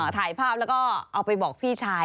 ถ่ายภาพแล้วก็เอาไปบอกพี่ชาย